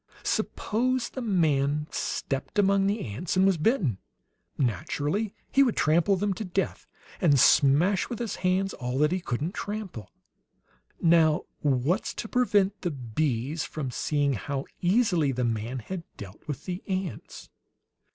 Suppose the man stepped among the ants and was bitten. Naturally he would trample them to death, and smash with his hands all that he couldn't trample. Now, what's to prevent the bees from seeing how easily the man had dealt with the ants?